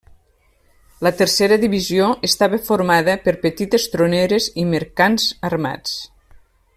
La tercera divisió estava formada per petites troneres i mercants armats.